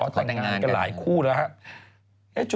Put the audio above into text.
อ๋อต่างงานกันหลายคู่นะฮะ